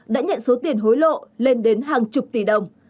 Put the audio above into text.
đã nhận số tiền hối lộ lên đến hàng chục tỷ đồng